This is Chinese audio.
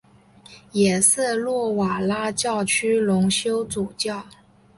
也是诺瓦拉教区荣休主教。